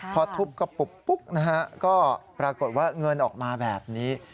พอทุบกระปุกก็ปรากฏว่าเงินออกมาแบบนี้